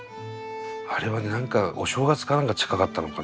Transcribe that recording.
あれはね何かお正月か何か近かったのかな？